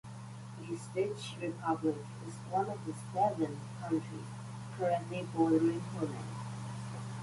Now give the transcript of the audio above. The Czech Republic is one of the seven countries currently bordering Poland.